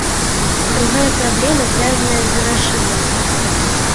Другая праблема звязаная з грашыма.